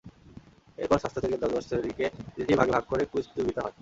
এরপর ষষ্ঠ থেকে দ্বাদশ শ্রেণিকে তিনটি ভাগে ভাগ করে কুইজ প্রতিযোগিতা হয়।